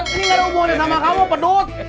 ini nggak ada hubungannya sama kamu pedut